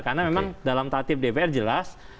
karena memang dalam tatip dpr jelas